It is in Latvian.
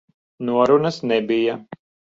Norunas nebija.